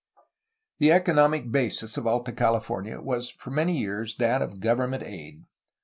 The economic basis of Alta CaUfornia was for many years that of government aid.